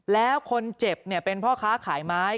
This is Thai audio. แล้วคนเจ็บเป็นพ่อค้าขายไม้